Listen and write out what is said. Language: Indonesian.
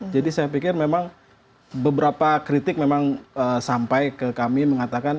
jadi saya pikir memang beberapa kritik memang sampai ke kami mengatakan